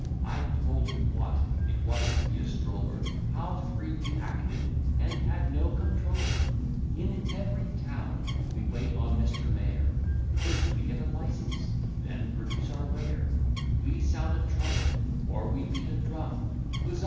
I told him what it was to be a stroller; How free we acted, and had no comptroller: In every town we wait on Mr. Mayor, First get a license, then produce our ware; We sound a trumpet, or we beat a drum: Huzza!